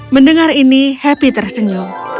mendengar ini happy tersenyum